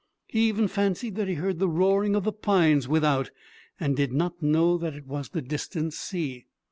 He even fancied that he heard the roaring of the pines without, and did not know that it was the distant sea.